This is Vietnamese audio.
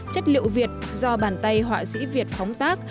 chất liệu việt do bàn tay họa sĩ việt phóng tác